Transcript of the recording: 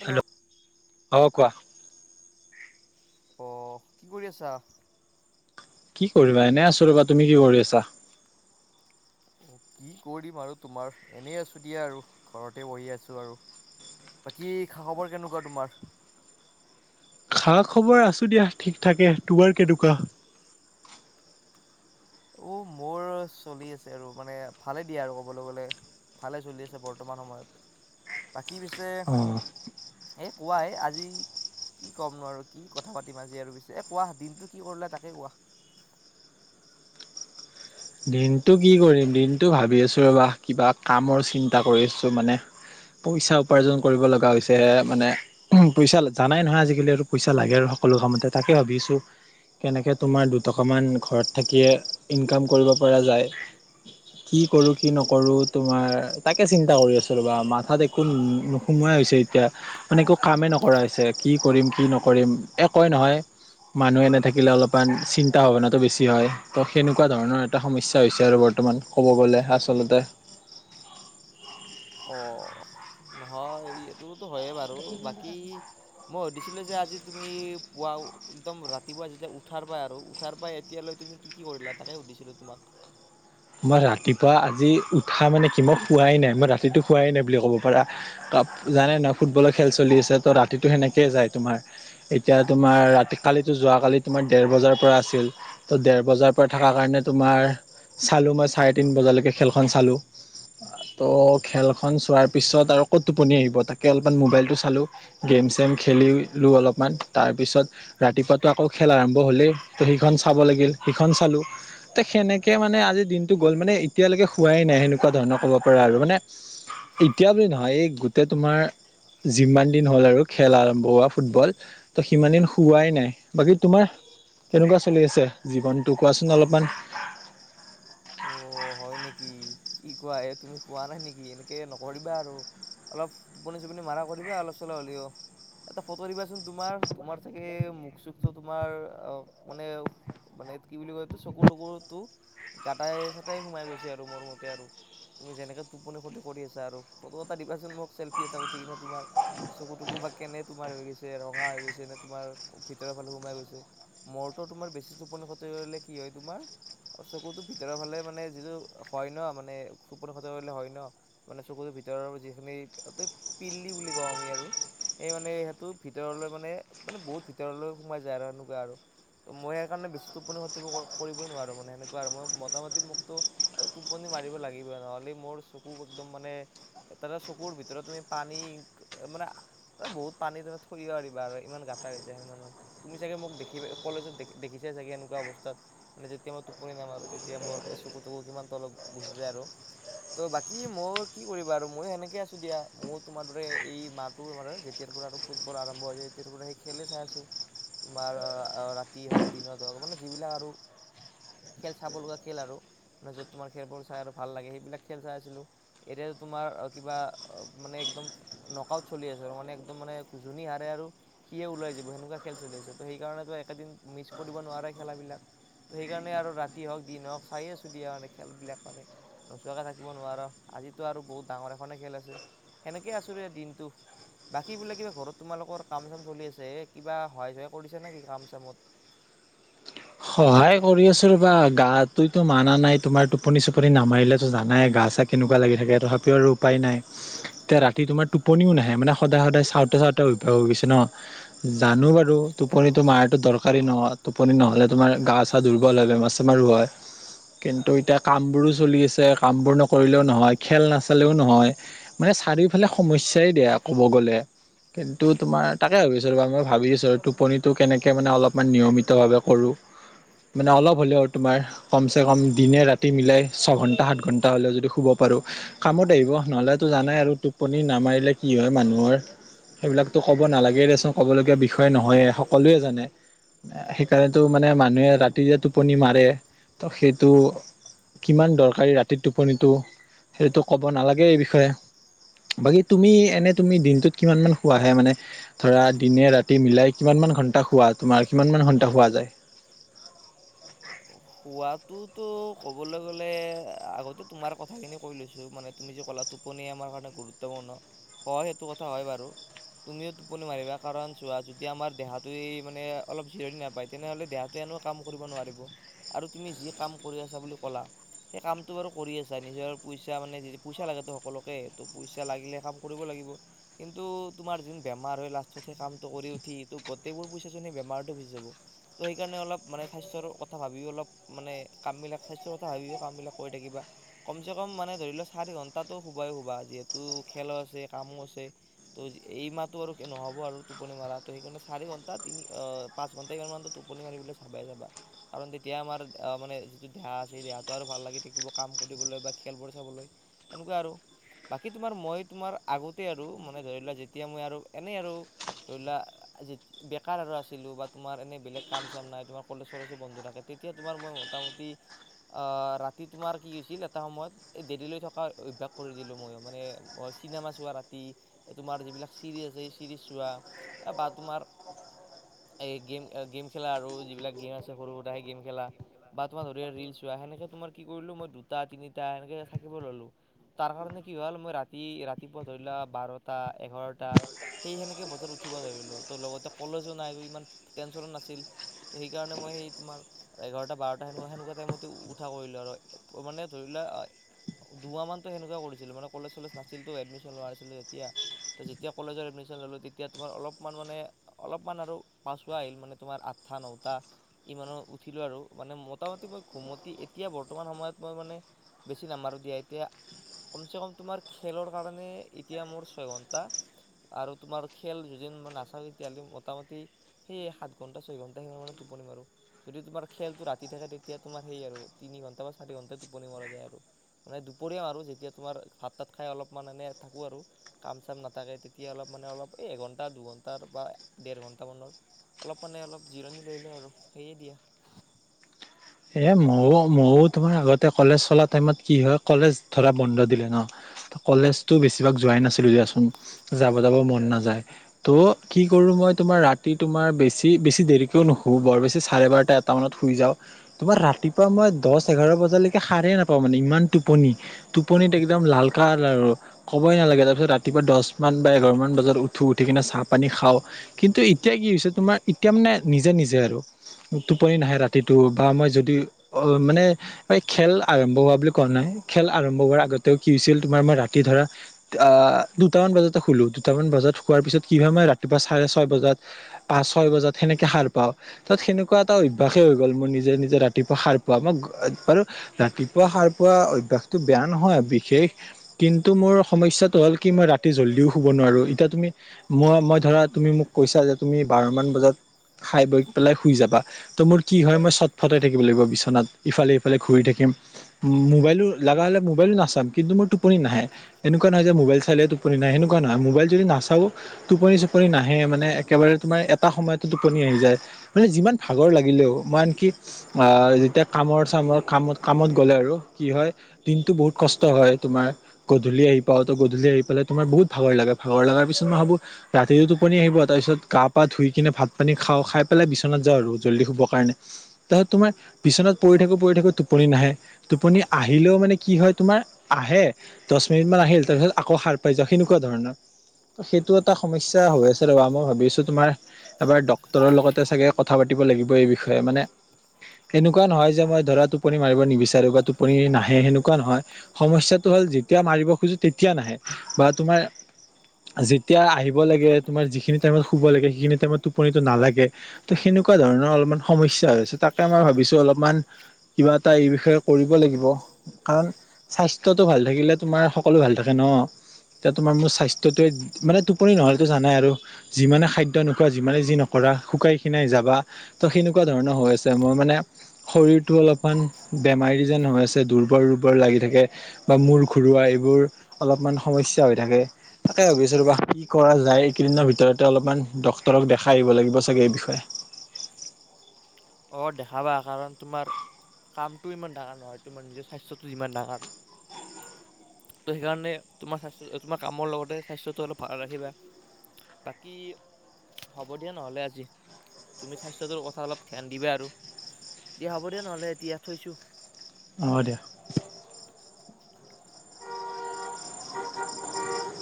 Hello অঁ', কোৱা। অ', কি কৰি আছা। কি কৰিবা এনেই আছোঁ ৰ'বা তুমি কি কৰি আছা। অ', কি কৰিম আৰু তোমাৰ এনেই আছো দিয়া আৰু ঘৰতে বহি আছো আৰু। বাকী খা খবৰ কেনেকুৱা তোমাৰ। খা খবৰ আছোঁ দিয়া ঠিক থাকে তোমাৰ কেনেকুৱা উ, মোৰ চলি আছে আৰু মানে ভালে দিয়া আৰু ক'বলৈ গ'লে। ভালে চলি আছে বৰ্তমান সময়ত বাকী পিছে। অ এই কোৱা এ আজি। কি ক'ম নোৱাৰো কি কথা পাতিম আজি আৰু পিছে এই কোৱা দিনটো কি কৰিলে তাকে কোৱা। [unintelligible] দিনটো কি কৰিম দিনটো ভাবি আছো ৰবা কিবা কামৰ চিন্তা কৰি আছো মানে। পইচা উপাৰ্জন কৰিব লগা হৈছে মানে। উ, পইচা জানাই নহয় আজিকালি আৰু পইচা লাগে আৰু সকলো কামতে তাকে ভাবিছো। কেনেকৈ তোমাৰ দুটকামান ঘৰত থাকিয়ে ইনকাম কৰিব পৰা যায়। কি কৰোঁ কি নকৰোঁ তোমাৰ তাকে চিন্তা কৰি আছোঁ বা মাথাত একো নোসোমাই হৈছে এতিয়া। মানে একো কামেই নকৰা হৈছে কি কৰিম কি নকৰিম একয় নহয়। মানুহে নাথাকিলে অলপমান চিন্তা ভাৱনাটো বেছি হয় তো সেনেকুৱা ধৰণ। এটা সমস্যা হৈছে আৰু বৰ্তমান ক'ব গ'লে আচলতে। অ', নহয় এইটোতো হয়ে বাৰু বাকী। মই সুধিছিলোঁ যে আজি তুমি পুৱা একদম ৰাতিপুৱা যেতিয়া উঠাৰ পাই আৰু উঠাৰ পাই এতিয়ালৈ তুমি। কি কি কৰিলা তাকে সুধিছিলো তোমাক। মই ৰাতিপুৱা আজি উৎসাহ মানে কি মই শোৱাই নাই মই ৰাতিটো শোৱাই নাই বুলি ক'ব পাৰা। জানে নহয় ফুটবলৰ খেল চলি আছে তো ৰাতিতটো সেনেকয়ে যায় তোমাৰ। এতিয়া তোমাৰ ৰাতি কালিতো যোৱাকালি তোমাৰ ডেৰ বজাৰ পৰা আছিল। ত' দেৰ বজাৰ পৰা থকা কাৰণে তোমাৰ চালো মই চাৰে তিন বজালৈকে খেলখন চালো। ত' খেলখন চোৱাৰ পিছত আৰু ক'ত টোপনি আহিব তাকে অলপমান মোবাইল টো চালো। গেম চেম খেলিলো অলপমান তাৰপিছত। ৰাতিপুৱাতো আকৌ খেল আৰম্ভ হ'লেই ত সিখন চাব লাগিল সিখন চালো তে সেনেক। কে মানে আজিৰ দিনটো গ'ল মানে এতিয়ালৈকে খোৱাই নাই সেনেকুৱা ধৰণৰ ক'ব পৰা আৰু মানে। এতিয়া বুলি নহয় এই গোটেই তোমাৰ যিমান দিন হ'ল আৰু খেল আৰম্ভ হোৱা ফুটবল। ত' সিমান দিন শোৱাই নাই বাকী তোমাৰ। তেনেকুৱা চলি আছে জীৱনটো কোৱাচোন অলপমান। অ হয় নেকি কি কোৱা এই তুমি খোৱা নাই নেকি এনেকে নকৰিবা আৰু। অলপ টোপনি চটোপনি মৰাা কৰিবা অলপ চলপ হ'লেও। এটা ফটো দিবাচোন তোমাৰ তোমাৰ চাগে মুখ চুখটো তোমাৰ আ মানে। মানে কি বুলি এইটো চকুৰ টকুৰটো গাতাই চাটাই সোমাই গৈছে আৰু মোৰ মতে আৰু। তুমি যেনেকে টোপনি ক্ষতি কৰি আছা আৰু ফটো এটা দিবাচোন মোক চেল্ফি এটা উঠি কিনে তোমাৰ। চকু টকু বা কেনে তোমাৰ হৈ গৈছে ৰঙা হৈ গৈছে নে তোমাৰ ভিতৰৰ ফালে সোমাই গৈছে। মোৰটো তোমাৰ বেছি টোপনি ক্ষতি কৰিলে কি হয় তোমাৰ চকুতো ভিতৰৰ ফালে মানে যিটো হয়, নহ মানে [unintelligible] কৰিলে হয়, নহ। মানে চকুটোৰ ভিতৰৰ যিখিনি [unintelligible] পিল্লি বুলি কওঁ আমি আৰু। এই মানে সেইটো ভিতৰলৈ মানে, মানে বহুত ভিতৰলৈ সোমাই যায় আৰু সেনেকুৱা আৰু। ত' মই সেইকাৰণে বেছি টোপনি ক্ষতি কৰিবই নোৱাৰোঁ মানে সেনেকুৱা আৰু মই মোটামতি মোক টোপনি মাৰিব লাগিবই নহ'লে মোৰ চকু একদম মানে তাতে চকুৰ ভিতৰত তুমি পানী মানে বহুত পানী তুমি থৈ দিব পাৰিবা আৰু ইমান গাটা হৈ যায় সিমান। তুমি চাগে মোক দেখি কলেজত দেখিছাই চাগে এনেকুৱা অৱস্থাত। মানে যেতিয়া মই টোপনি নামাৰোঁ তেতিয়া মোৰ এই চকু তকু কিমান তলত গুচি যায় আৰু। ত' বাকী মোৰ কি কৰিবা আৰু মইও সেনেকে আছো দিয়া ময়ো তোমাৰ দৰে এই মাত [unintelligible] যেতিয়াৰ পৰা আৰু ফুটবল আৰম্ভ হৈছে তেতিয়াৰ পৰা সেই খেলে চাই আছো। তোমাৰ ৰাতি হওক দিনত হওক মানে যিবিলাক আৰু। খেল চাব লগা খেল আৰু মানে য'ত তোমাৰ খেলবোৰ চাই আৰু ভাল লাগে সেইবিলাক খেল চাই আছিলোঁ। এতিয়াটো তোমাৰ কিবা মানে একদম। নক আউট চলি আছে মানে একদম মানে যোনে হাৰে আৰু। সিয়ে ওলাই যাব সেনেকুৱা খেল চলি আছে ত' সেইকাৰণেতো একেদিন মিছ কৰিব নোৱাৰে খেলাবিলাক। সেইকাৰণে আৰু ৰাতি হওক দিন হওক চাই আছ [unintelligible] মানে খেল বিলাক মানে নোচোৱাকে থাকিব নোৱাৰো আজিতো আৰু বহুত ডাঙৰ এখনে খেল আছে। সেনেকে আছো [unintelligible] দিনটো। বাকী বোলে কিবা ঘৰত তোমালোকৰ কাম চাম চলি আছে কিবা সহায় চহায় কৰি দিছা নেকি কাম চামত? সহায় কৰি আছো ৰবা গা তইতো মানা নাই তোমাৰ টোপনি চোপনি নামাৰিলেতো জানাই গা চা কেনেকুৱা লাগি থাকে তথাপিও আৰু উপায় নাই। এতিয়া ৰাতি তোমাৰ টোপনিও নাহে মানে সদায়, সদায় চাওঁতে, চাওঁতে অভ্যাস হৈ গৈছে নহ। জানোঁ বাৰু টোপনিতো মাৰটো দৰকাৰী নহ টোপনি নহ'লে তোমাৰ গা চা দুৰ্বল হয় বেমাৰ চেমাৰো হয়। কিন্তু এতিয়া কামবোৰো চলি আছে কামবোৰ নকৰিলেও নহয় খেল নাচালেও নহয়। মানে চাৰিওফালে সমস্যাই দিয়া কব গ'লে। কিন্তু তোমাৰ তাকে ভাবি আছোঁ ৰবা মই ভাবি আছোঁ টোপনিটো কেনেকৈ মানে অলপমান নিয়মিতভাৱে কৰোঁ। মানে অলপ হ'লেও আৰু তোমাৰ। কম চে কম দিনে ৰাতি মিলাই ছয়ঘণ্টা সাত ঘণ্টা হ'লেও যদি শুব পাৰোঁ। কামত আহিব নহ'লেতো জানাই আৰু টোপনি নামাৰিলে কি হয় মানুহৰ। সেইবিলাকতো ক'ব নালাগেই দেচোন ক'ব লগীয়া বিষয়ে নহয় সকলোৱে জানে সেইকাৰনেতো। মানে মানুহে ৰাতি যে টোপনি মাৰে তো সেইটো। কিমান দৰকাৰী ৰাতি টোপনিটো সেইটো ক'ব নালাগে এই বিষয়ে। বাকী তুমি এনে তুমি দিনটোত কিমান মান শুৱা হে মানে? ধৰা দিনে ৰাতি মিলাই কিমান মান ঘন্টা শুৱা তোমাৰ কিমান মান ঘণ্টা শুৱা যায়? শোৱাতোতো ক'বলৈ গলে আগতে তোমাৰ কথাখিনি কৈ লৈছোঁ মানে তুমি যে ক'লা টোপনি আমাৰ কাৰণে গুৰুত্বপূৰ্ণ হয় সেইটো কথা হয় বাৰু। তুমিও টোপনি মাৰিবা কাৰণ চোৱা যদি আমাৰ দেহাটোৱে মানে অলপ জিৰণি নাপায় তেনেহ'লে দেহা ত' এনেও কাম কৰিব নোৱাৰিব আৰু তুমি যি কাম কৰি আছা বুলি ক'লা। সেই কামটো বাৰু কৰি আছা নিজৰ পইচা মানে পইচা লাগেতো সকলোকে তো পইচা লাগিলে কাম কৰিব লাগিব। কিন্তু তোমাৰ চোন বেমাৰ হয়, লাষ্টত সেই কামটো কৰি উঠি গোটেইবোৰ পইচা চোন সেই বেমাৰটে গুচি যাব। ত' সেইকাৰণে অলপ, মানে স্বাস্থ্যৰ কথা ভাবিও অলপ মানে কাম বিলাক, স্বাস্থ্যৰ কথা ভাবিও কাম বিলাক কৰি থাকিবা। কমচে কম মানে ধৰি লোৱা চাৰি ঘন্টাটো শুবাই শুবা, যিহেতু খেলো আছে, কামো আছে। ত' এই মাহটো আৰু নহ'ব আৰু টোপনি মৰাটো, সেইকাৰণে চাৰি ঘন্টা তিনি অ'- পাঁচ ঘণ্টা মানটো টোপনি মাৰিবলৈ চাবই যাবা, কাৰণ- তেতিয়া আমাৰ মানে যিটো দেহা আছে, সেই দেহাটো আৰু ভাল লাগি থাকিব কাম কৰিবলৈ বা খেলবোৰ চাবলৈ। সেনেকুৱা আৰু বাকী তোমাৰ, মই তোমাৰ আগতে আৰু মানে ধৰি লোৱা যেতিয়া মই আৰু এনেই আৰু। ধৰিলোঁৱা। আজি বেকাৰ আৰু আছিলোঁ বা তোমাৰ এনে বেলেগ কাম চাম নাই, তোমাৰ কলেজ ছলেজো বন্ধ থাকে। তেতিয়া তোমাৰ মই মোটা-মোটি- ৰাতি তোমাৰ কি হৈছিল, এটা সময়ত দেৰিলৈ থকা অভ্যাস কৰি দিলোঁ, মইয়ো মানে চিনেমা চোৱা ৰাতি, এই তোমাৰ যিবিলাক চিৰিয়েল আছে, এই চিৰিয়েল চোৱা তাপা তোমাৰ এই গেম, গেম খেলা আৰু যিবিলাক গেম আছে সৰু সৰু গেম খেলা বা তোমাৰ ধৰিলোৱা ৰিল চোৱা, সেনেকে তোমাৰ কি কৰিলোঁ মই দুটা তিনিটা সেনেকে থাকিব ললোঁ তাৰ কাৰণে কি হ'ল মই ৰাতি ৰাতিপুৱা ধৰি লোৱা বাৰটা এঘাৰটা সেই সেনেকে বজাত উঠিব ধৰিলোঁ, ত' লগতে কলেজো নাই ইমান টেনচনো নাছিল। ত'সেইকাৰণে মই সেই- তোমাৰ এঘাৰটা বাৰটা সেনেকুৱা, সেনেকুৱা টাইমতে উঠা কৰিলোঁ আৰু মানে ধৰি লোৱা, দুমাহ মানতো সেনেকুৱাই কৰিছিলো, মানে কলেজ চলেজ নাছিলতো, এডমিশ্যন লোৱা নাছিলোঁ তেতিয়া। ত'যেতিয়া কলেজত এডমিশ্যন ল'লোঁ, তেতিয়া তোমাৰ অলপমান মানে- অলপমান আৰু পাছোৱাই আহিল মানে, তোমাৰ আঠাটা, নটা। ইমানত উঠিলোঁ আৰু মানে মোটামুটি মই ঘুমতি এতিয়া বৰ্তমান সময়ত মই মানে- বেছি নামাৰো দিয়া, এতিয়া- কমচে কম তোমাৰ খেলৰ কাৰণে এতিয়া মোৰ ছয় ঘন্টা- আৰু তোমাৰ খেল যদি মই নাচাওঁ, তেতিয়াহ'লে মোটামোটি- সেই সাত ঘণ্টা, ছয় ঘণ্টা সিমান মানে টোপনি মাৰো। যদি তোমাৰ খেলটো ৰাতি থাকে, তেতিয়া তোমাৰ সেই আৰু তিনি ঘণ্টা বা চাৰি ঘন্টাই টোপনি মৰা যায় আৰু। মানে দুপৰীয়া মাৰো আৰু যেতিয়া তোমাৰ ভাত তাত খাই অলপমান এনে থাকো আৰু। কাম চাম নাথাকে, তেতিয়া অলপ মানে অলপ এঘন্টা দুঘণ্টাৰ বা ডেৰ ঘণ্টা মান। অলপ মানে, অলপ জিৰণি লৈ লওঁ আৰু সেয়ে দিয়া। এ মইয়ো মইয়ো তোমাৰ আগতে কলেজ চলা টাইমত কি হয়, কলেজ ধৰা বন্ধ দিলে ন? কলেজতো বেছিভাগ যোৱাই নাছিলোঁ দিয়াচোন, যাব যাব মন নাযায়। ত' কি কৰোঁ মই তোমাৰ, ৰাতি তোমাৰ বেছি বেছি দেৰিকৈও নুশু, বৰ বেছি চাৰে বাৰটা। টাউনত শুই যাওঁ, তোমাৰ ৰাতিপুৱা মই দহ এঘাৰ বজালৈকে সাৰেই নাপাওঁ মানে ইমান টোপনি। টোপনিত একদম লাল কাল আৰু। ক'বই নালাগে, তাৰ পিছত ৰাতিপুৱা দহ মান বা এঘাৰমান বজাত উঠো উঠি কিনে চাহ পানী খাওঁ। কিন্তু এতিয়া কি হৈছে, তোমাৰ এতিয়া মানে নিজে নিজে আৰু টোপনি নাহে ৰাতিটো। অ', মই যদি মানে। খেল আৰম্ভ হোৱা বুলি কোৱা নাই, খেল আৰম্ভ হোৱাৰ আগতেও কি হৈছিল তোমাৰ মই ৰাতি ধৰা- আহ্ দুটামান বজাতে শুলো, দুটামান বজাত শুৱাৰ পিছত কি হয়, মই ৰাতিপুৱা চাৰে ছয় বজাত- পাচ, ছয় বজাত সেনেকে সাৰ পাওঁ, তাত সেনেকুৱা এটা অভ্যাসে হৈ গ'ল মোৰ নিজ যে নিজে ৰাতিপুৱা সাৰ পোৱা, মই বাৰু। ৰাতিপুৱা সাৰ পুৱা অভ্যয়াসটো বেয়া নহয়, বিশেষ কিন্তু মোৰ সমস্যাটো হ'ল কি মই ৰাতি জল্দিও শুব নোৱাৰো। এতিয়া তুমি মই মই ধৰা তুমি মোক কৈছা যে, তুমি বাৰমান বজাত খাই বৈ পেলাই শুই যাবা, ত মোৰ কি হয় মই চত টাই থাকিব লাগিব বিচনাত, ইফালে ইফালে ঘূৰি থাকিম। মোবাইলো লগা হ'লে মোবাইলো নাচাম কিন্তু মোৰ টোপনি নাহে, এনেকুৱা নহয় যে মোবাইল চালে টো পনি নাই, সেনেকুৱা নহয় মোবাইল যদি নাচাও টোপনি চোপনি নাহে মানে একেবাৰে তোমাৰ এটা সময়তে টোপনি আহি যায়। মানে যিমান ভাগৰ লাগিলেও, মই আনকি আঁ, যেতিয়া কামৰ চামৰ কামত কামত গ'লে আৰু কি হয়? দিনটো বহুত কষ্ট হয় তোমাৰ। গধূলি আহি পাওঁতো গধূলি আহি পেলাই তোমাৰ বহুত ভাগৰ লাগে ভাগৰ লগাৰ পিছত মই ভাবো ৰাতিও টোপনি আহিব, তাৰপিছত গা পা ধুই কিনে ভাত পানী খাওঁ, খাই পেলাই বিচনাত যাওঁ আৰু জল্দি শুব কাৰণে। তাৰপিছত তোমাৰ বিছনাত পৰি থাকো পৰি থাকো টোপনি নাহে, টোপনি আহিলেও মানে কি হয় তোমাৰ আহে দশ মিনিট মান আহিল তাৰ পিছত আকৌ সাৰ পাই যাওঁ সেনেকুৱা ধৰণৰ। সেইটো এটা সমস্যা হৈ আছে ৰবা, মই ভাবি আছো তোমাৰ এবাৰ ডক্তৰৰ লগতে চাগে কথা পাতিব লাগিব এই বিষয়ে, মানে এনেকুৱা নহয় যে মই ধৰা টোপনি মাৰিব নিবিচাৰো বা টোপনি নাহে সেনেকুৱা নহয়। সমস্যাটো হ'ল যেতিয়া মাৰিব খোজো তেতিয়া নাহে, বা তোমাৰ যেতিয়া আহিব লাগে, তোমাৰ যিখিনি টাইমত শুব লাগে সেইখিনি টাইমত টোপনিটো নালা গে ত সেনেকুৱা ধৰণৰ অলপমান সমস্যা হৈছে তাকে আমাৰ ভাবিছো অলপমান। কিবা এটা এই বিষয়ে কৰিব লাগিব। কাৰণ, স্বাস্থ্যটো ভাল থাকিলে তোমাৰ সকলো ভাল থাকে ন। এতিয়া তোমাৰ মোৰ স্বাস্থ্যটোৱে মানে টোপনি নহলেটো জানাই আৰু। যিমানে খাদ্য নোখোৱা যিমানে যি নকৰা শুকাই খিনাই যাবা, ত সেনেকুৱা ধৰণৰ হৈ আ চে, মই মানে শৰীৰটো অলপমান বেমাৰী যেন হৈ আছে দুৰ্বৰ দুৰ্বল লাগি থাকে। বা মূৰ ঘৰুৱা এইবোৰ অলপমান সমস্যা হৈ থাকে। তাকে ভাবিছো ৰবা কি কৰা যায় এইকেইদিনৰ ভিতৰতে অলপমান ডক্তৰক দেখাই আহিব লাগিব চাগে এই বিষয়ে। অ, দেখাবা কাৰণ তোমাৰ কামটোও ইমান ডাঙৰ নহয়, তোমাৰ নিজৰ স্বাস্থ্যটো যিমান ডাঙৰ। ত' সেইকাৰণে তোমাৰ স্বাস্থ্য তোমাৰ কামৰ লগতে স্বাইস্থটো অলপ ভাল ৰাখিবা। বাকী হ'ব দিয়া নহ'লে আজি, তুমি স্বাস্থ্যটোৰ কথা ধ্যান দিব আৰু দিয়া হ'ব দে নহ'লে এতিয়া থৈছোঁ। অঁ দিয়া।